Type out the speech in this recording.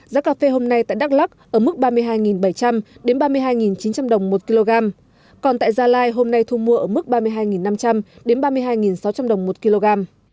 giá cà phê hôm nay tại đắk lắc ở mức ba mươi hai bảy trăm linh ba mươi hai chín trăm linh đồng một kg còn tại gia lai hôm nay thu mua ở mức ba mươi hai năm trăm linh ba mươi hai sáu trăm linh đồng một kg